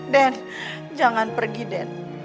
den jangan pergi den